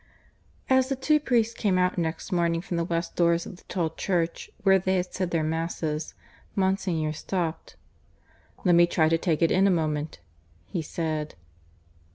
(II) As the two priests came out next morning from the west doors of the tall church where they had said their masses, Monsignor stopped. "Let me try to take it in a moment," he said.